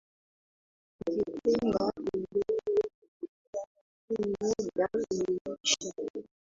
Ningependa tuendelee kuongea lakin muda imeisha